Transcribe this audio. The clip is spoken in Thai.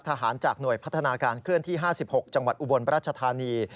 ทหารจากหน่วยพัฒนาการเคลื่อนที่๕๖จังหวัดอุบลราชธานี